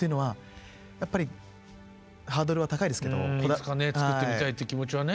いつかね作ってみたいという気持ちはね。